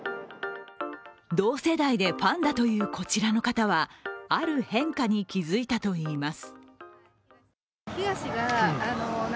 同世代でファンだというこちらの方はある変化に気づいたといいます。